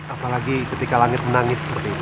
apalagi ketika langit menangis seperti itu